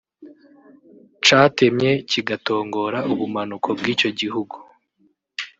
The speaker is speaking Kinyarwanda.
catemye kigatongora ubumanuko bw’icyo gihugu